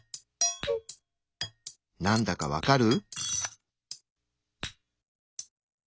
なんだか分かる？